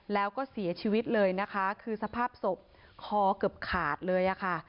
แล้วก็เสียชีวิตเลยนะคะคือสภาพศพคอเกือบขาดเลยอะค่ะ